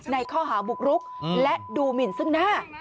ในข้อหาบุกรุกและดูหมินซึ่งหน้า